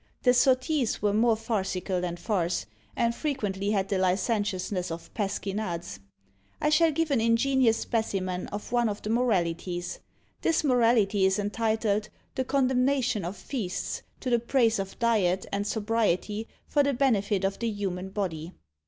The Sotties were more farcical than farce, and frequently had the licentiousness of pasquinades. I shall give an ingenious specimen of one of the MORALITIES. This Morality is entitled, "The Condemnation of Feasts, to the Praise of Diet and Sobriety for the Benefit of the Human Body."